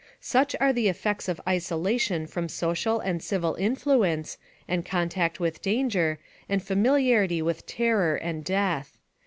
Such are the effects of isolation from social and civil in fluence, and contact with danger, and familiarity with terror and death.